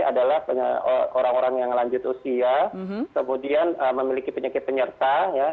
adalah orang orang yang lanjut usia kemudian memiliki penyakit penyerta